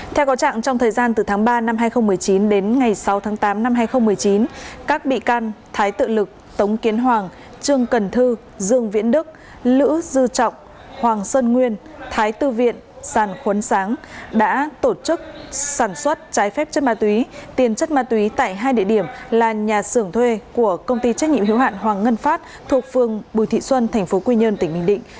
theo có trạng trong thời gian từ tháng ba năm hai nghìn một mươi chín đến ngày sáu tháng tám năm hai nghìn một mươi chín các bị can thái tự lực tống kiến hoàng trương cần thư dương viễn đức lữ dư trọng hoàng sơn nguyên thái tư viện sàn khuấn sáng đã tổ chức sản xuất trái phép chân ma túy tiền chất ma túy tại hai địa điểm là nhà sưởng thuê của công ty trách nhiệm hiếu hạn hoàng ngân pháp thuộc phường bùi thị xuân tp quy nhơn tỉnh bình định